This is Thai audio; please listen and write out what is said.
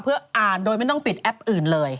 เพื่ออ่านโดยไม่ต้องปิดแอปอื่นเลย